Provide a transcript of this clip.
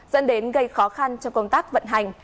dẫn đến gây khó khăn trong công tác vận hành